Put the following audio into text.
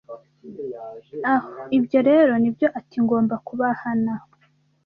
ah ibyo rero ni byo ati ngomba kubahana